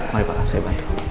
mari pak saya bantu